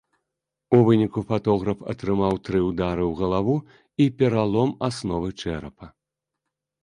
У выніку фатограф атрымаў тры ўдары ў галаву і пералом асновы чэрапа.